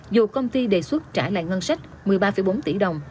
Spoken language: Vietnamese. dù công ty đề xuất trả lại ngân sách một mươi ba bốn tỷ đồng